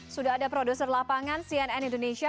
sudah ada produser lapangan cnn indonesia